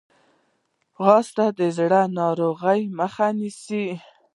ځغاسته د زړه ناروغۍ مخه نیسي